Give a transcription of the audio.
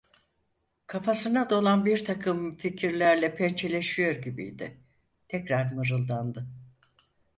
Kafasına dolan birtakım fikirlerle pençeleşiyor gibiydi, tekrar mırıldandı: